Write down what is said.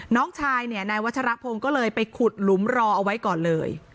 น้องชายเนี่ยนายวัชรพงศ์ก็เลยไปขุดหลุมรอเอาไว้ก่อนเลย